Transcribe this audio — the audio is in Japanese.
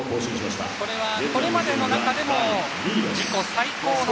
これはこれまでの中でも自己最高の得点です。